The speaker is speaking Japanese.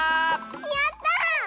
やった！